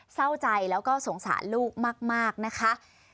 เศร้าใจแล้วก็สงสารลูกมากนะคะ